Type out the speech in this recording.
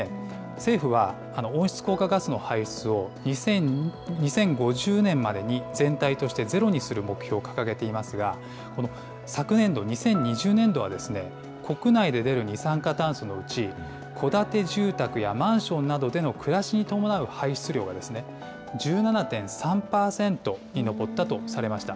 政府は、温室効果ガスの排出を２０５０年までに全体としてゼロにする目標を掲げていますが、昨年度・２０２０年度は、国内で出る二酸化炭素のうち、戸建て住宅やマンションなどでの暮らしに伴う排出量が、１７．３％に上ったとされました。